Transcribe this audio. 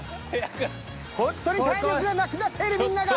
ほんとに体力がなくなっているみんなが。